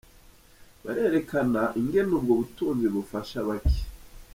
Barerekana ingene ubwo butunzi bufasha bake.